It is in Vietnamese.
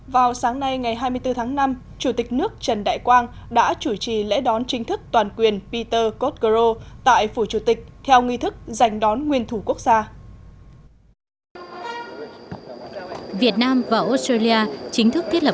vào sáng nay ngày hai mươi bốn tháng năm chủ tịch nước trần đại quang đã chủ trì lễ đón chính thức toàn quyền peter cotgro tại phủ chủ tịch theo nghi thức giành đón nguyên thủ quốc gia